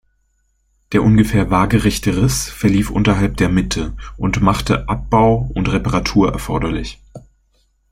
Der ungefähr waagerechte Riss verlief unterhalb der Mitte und machte Abbau und Reparatur erforderlich.